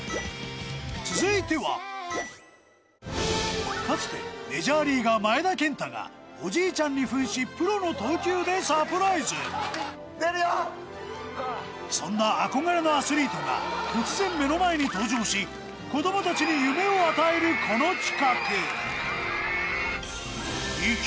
続いてはかつてメジャーリーガー・前田健太がおじいちゃんに扮しプロの投球でサプライズ・出るよそんな憧れのアスリートが突然目の前に登場し子どもたちに夢を与えるこの企画